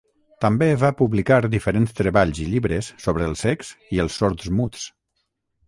També va publicar diferents treballs i llibres sobre els cecs i els sords-muts.